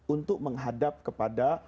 untuk menghadap kepada